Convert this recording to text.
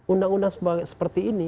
undang undang seperti ini